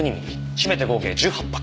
しめて合計１８発。